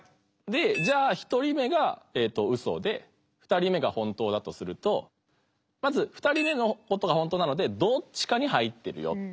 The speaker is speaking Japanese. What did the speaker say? じゃあ１人目がウソで２人目が本当だとするとまず２人目のことが本当なのでどっちかに入ってるよ。